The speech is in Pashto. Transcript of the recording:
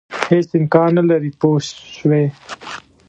هېڅ امکان نه لري پوه شوې!.